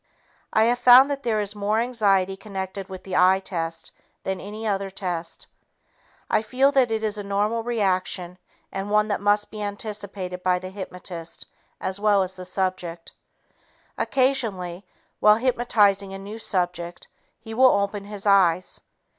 I have found that there is more anxiety connected with the eye test than with any other test. I feel that it is a normal reaction and one that must be anticipated by the hypnotist as well as the subject. Occasionally, while hypnotizing a new subject, he will open his eyes.